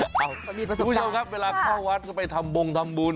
มีประสบความพี่ผู้ชมครับเวลาเข้าวัดก็ไปทำบงทำบุญ